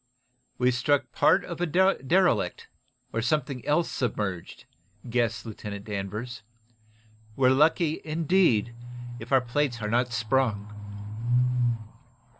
"We struck part of a derelict, or something else submerged," guessed Lieutenant Danvers. "We're lucky, indeed, if our plates are not sprung."